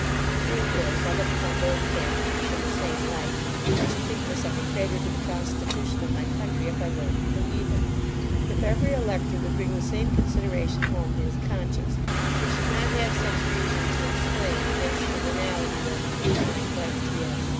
The truth is, I look upon both candidates in the same light; and should think myself a traitor to the constitution of my country, if I voted for either. If every elector would bring the same consideration home to his conscience, we should not have such reason to exclaim against the venality of p ts.